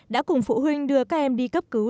đã cùng phụ huynh đưa các em đi cấp cứu